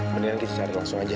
mendingan kita secara langsung aja